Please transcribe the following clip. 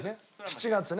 ７月ね。